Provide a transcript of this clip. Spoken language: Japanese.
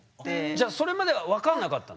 じゃそれまでは分かんなかったんだ？